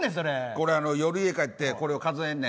これ夜、家に帰ってこれ数えんねん。